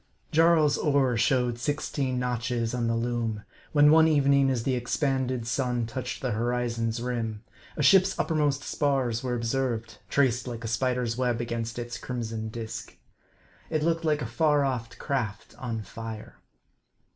JARL'S oar showed sixteen notches on the loom, when one evening, as the expanded sun touched the horizon's rim, a ship's uppermost spars were observed, traced like a spider's web against its crimson disk. It looked like a far off craft on fire.